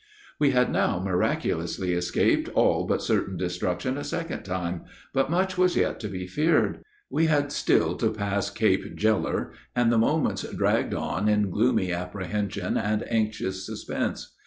We had now miraculously escaped all but certain destruction a second time, but much was yet to be feared. We had still to pass Cape Jeller, and the moments dragged on in gloomy apprehension and anxious suspense.